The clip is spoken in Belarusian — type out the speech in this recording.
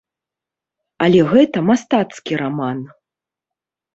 Але гэта мастацкі раман.